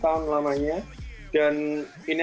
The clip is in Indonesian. dan ini adalah kemenangan yang kedua bagi perancis